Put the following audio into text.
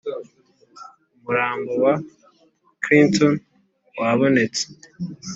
Umurambo wa Clinton wabonetse